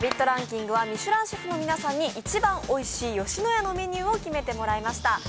ランキングはミシュランシェフの皆さんに一番おいしい吉野家のメニューを決めてもらいました。